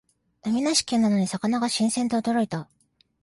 海なし県なのに魚が新鮮で驚いた